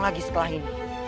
sekarang lagi setelah ini